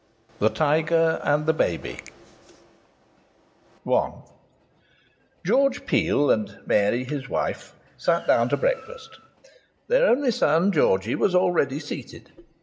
THE TIGER AND THE BABY I George Peel and Mary, his wife, sat down to breakfast. Their only son, Georgie, was already seated.